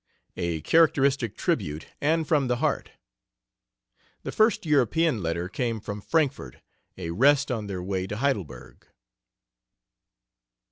A characteristic tribute, and from the heart. The first European letter came from Frankfort, a rest on their way to Heidelberg.